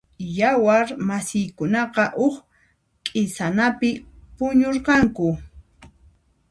Yawar masiykunaqa huk q'isanapi puñurqanku.